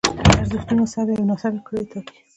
ارزښتونه سمې او ناسمې کړنې ټاکي.